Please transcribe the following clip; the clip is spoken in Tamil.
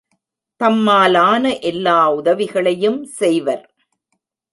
தம்மாலான எல்லா உதவிகளையும் செய்வர்.